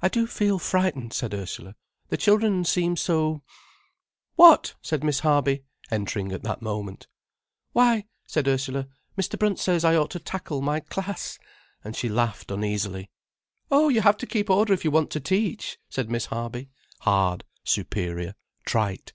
"I do feel frightened," said Ursula. "The children seem so——" "What?" said Miss Harby, entering at that moment. "Why," said Ursula, "Mr. Brunt says I ought to tackle my class," and she laughed uneasily. "Oh, you have to keep order if you want to teach," said Miss Harby, hard, superior, trite.